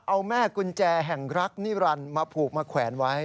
เอาแม่กุญแจแห่งรักนิรันดิ์มาผูกมาแขวนไว้